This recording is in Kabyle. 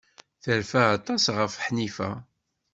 Terfa aṭas ɣef Ḥnifa.